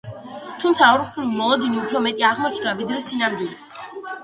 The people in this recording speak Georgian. თუმცა ორმხრივი მოლოდინი უფრო მეტი აღმოჩნდა, ვიდრე სინამდვილე.